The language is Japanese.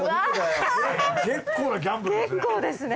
結構なギャンブルですね。